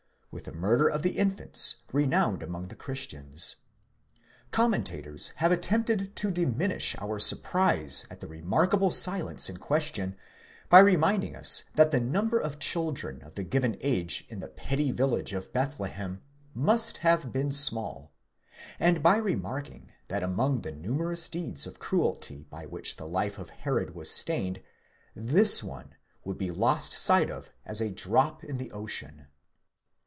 ° with the murder of the infants, renowned among the Christians.?4_ Commentators have attempted to diminish our surprise at the remarkable silence in question, by reminding us that the number of children of the given age in the petty village of Bethlehem, must have been small, and by remarking that among the numerous deeds of cruelty by which the life of Herod was stained, this one would be lost sight of as a drop in the ocean.?